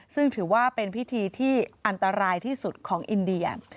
ซึ่งถือว่าเป็นพิธีที่อันตรายที่สุดของอินเดีย